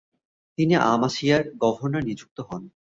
তিনি আমাসিয়ার গভর্নর নিযুক্ত হন।